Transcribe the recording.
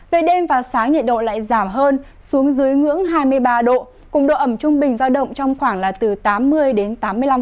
về đêm và sáng nhiệt độ lại giảm hơn xuống dưới ngưỡng hai mươi ba độ cùng độ ẩm trung bình giao động trong khoảng là từ tám mươi đến tám mươi năm độ